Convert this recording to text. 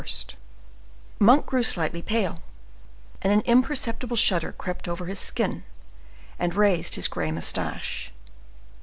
'" Monk grew slightly pale, and an imperceptible shudder crept over his skin and raised his gray mustache.